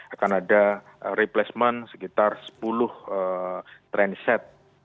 akan ada replacement sekitar sepuluh trendset